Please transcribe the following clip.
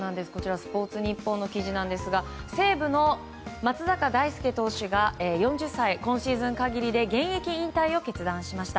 スポーツニッポンですが西武の松坂大輔投手が４０歳の今シーズン限りで現役引退を決断しました。